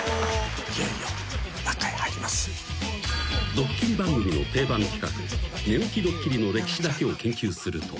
［ドッキリ番組の定番企画寝起きドッキリの歴史だけを研究すると］